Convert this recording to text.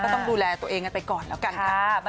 ต้องดูแลตัวเองกันไปก่อนแล้วกันค่ะ